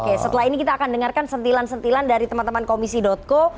oke setelah ini kita akan dengarkan sentilan sentilan dari teman teman komisi co